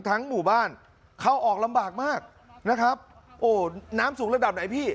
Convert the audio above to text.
หมู่บ้านเข้าออกลำบากมากนะครับโอ้น้ำสูงระดับไหนพี่